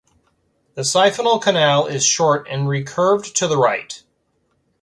The siphonal canal is short and recurved to the right.